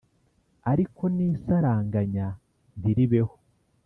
ariko n' isaranganya ntiribeho.